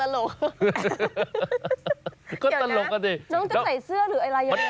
น้องจะใส่เสื้อหรืออะไรยังเนี่ย